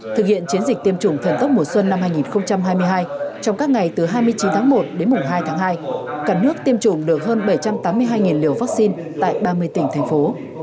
thực hiện chiến dịch tiêm chủng thần tốc mùa xuân năm hai nghìn hai mươi hai trong các ngày từ hai mươi chín tháng một đến mùng hai tháng hai cả nước tiêm chủng được hơn bảy trăm tám mươi hai liều vaccine tại ba mươi tỉnh thành phố